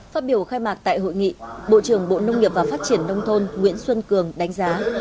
phát biểu khai mạc tại hội nghị bộ trưởng bộ nông nghiệp và phát triển nông thôn nguyễn xuân cường đánh giá